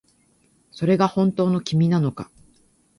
それが本当の君なのか